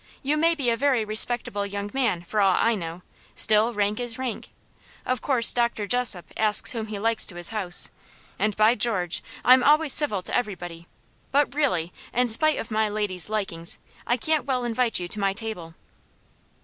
You may be a very respectable young man for aught I know, still rank is rank. Of course Doctor Jessop asks whom he likes to his house and, by George! I'm always civil to everybody but really, in spite of my lady's likings, I can't well invite you to my table!"